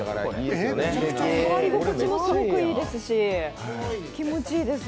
触り心地もすごくいいですし、気持ちいいです。